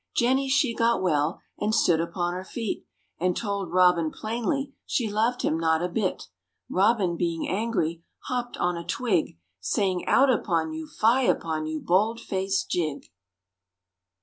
Jenny she got well, And stood upon her feet, And told Robin plainly She loved him not a bit. Robin, being angry, Hopp'd on a twig, Saying, Out upon you, Fye upon you, Bold faced jig!